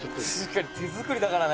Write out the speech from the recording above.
「手作りだからね」